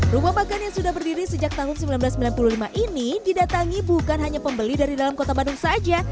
rumah makan yang sudah berdiri sejak tahun seribu sembilan ratus sembilan puluh lima ini didatangi bukan hanya pembeli dari dalam kota bandung saja